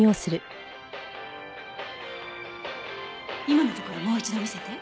今のところもう一度見せて。